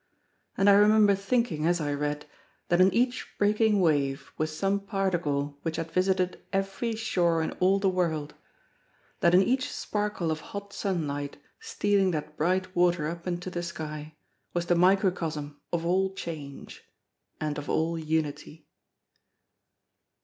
And I remember thinking, as I read, that in each breaking wave was some particle which had visited every shore in all the world—that in each sparkle of hot sunlight stealing that bright water up into the sky, was the microcosm of all change, and of all unity.